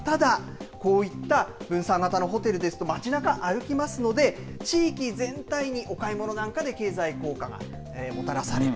ただ、こういった分散型のホテルですと、町なか歩きますので、地域全体に、お買い物なんかで経済効果がもたらされる。